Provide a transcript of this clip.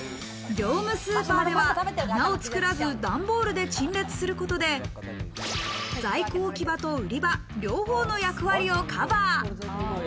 業務スーパーでは棚を作らず段ボールで陳列することで在庫置き場と売り場、両方の役割をカバー。